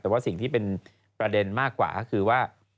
แต่ว่าสิ่งที่เป็นประเด็นมากกว่าก็คือว่า